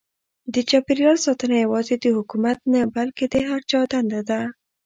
د چاپیریال ساتنه یوازې د حکومت نه بلکې د هر چا دنده ده.